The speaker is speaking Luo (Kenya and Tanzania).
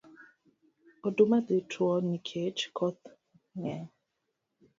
Oduma dhi tow nikech koth ngeny.